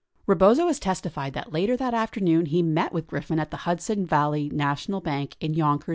65 Rebozo has testified that later that afternoon he met with Griffin at the Hudson Yalley National Bank in Yonkers, N.